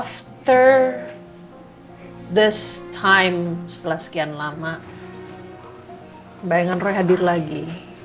setelah ini setelah sekian lama bayangan roy hadir lagi